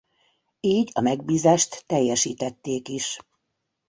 Így a megbízást teljesítették is.